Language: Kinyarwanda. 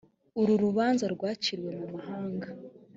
uru rubanza rwaciriwe mu mahanga